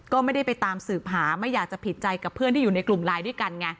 ก็ไม่ได้ไปตามสืบหาไม่อยากจะผิดใจกับเพื่อนที่อยู่ในกลุ่มไลน์ด้วยกันไง